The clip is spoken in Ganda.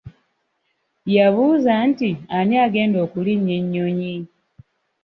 Yabuuza nti ani agenda okulinnya ennyonyi?